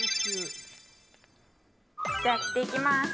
やっていきます。